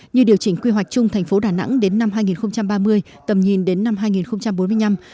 như điều chỉnh quy hoạch chung thành phố đà nẵng đến năm hai nghìn ba mươi tầm nhìn đến năm hai nghìn bốn mươi năm